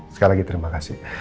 sekali lagi terima kasih